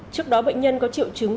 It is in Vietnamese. trước đó bệnh nhân có triệu chứng